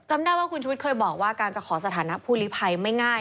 ได้ว่าคุณชุวิตเคยบอกว่าการจะขอสถานะผู้ลิภัยไม่ง่าย